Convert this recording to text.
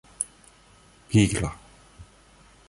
pigra